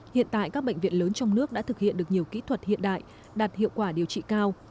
hiện tại các bệnh viện lớn trong nước đã thực hiện được nhiều kỹ thuật hiện đại đạt hiệu quả điều trị cao